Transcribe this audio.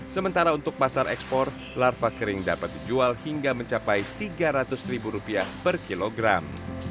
sementara untuk pasar ekspor larva kering dapat dijual hingga mencapai rp tiga ratus ribu rupiah per kilogram